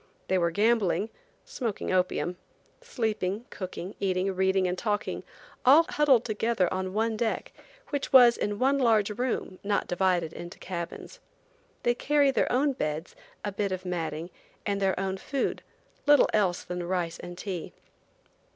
They were gambling, smoking opium, sleeping, cooking, eating, reading and talking, all huddled together on one deck, which was in one large room, not divided into cabins. They carry their own beds, a bit of matting, and their own food, little else than rice and tea.